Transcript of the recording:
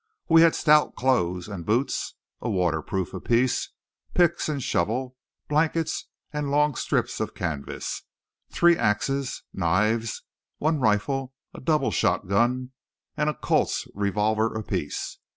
We had stout clothes and boots, a waterproof apiece, picks and shovel, blankets and long strips of canvas, three axes, knives, one rifle, a double shotgun, and a Colt's revolver apiece.